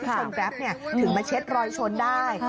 ที่ชนแป๊บถึงมาเช็ดรอยชนได้